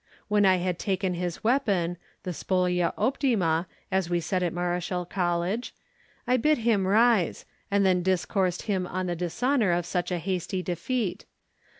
When I had taken his weapon—the spolia opima, as we said at Mareschal College—I bid him rise, and then discoursed him on the dishonour of such a hasty defeat.